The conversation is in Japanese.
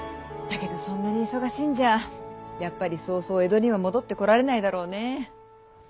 だけどそんなに忙しいんじゃやっぱりそうそう江戸には戻ってこられないだろうねぇ。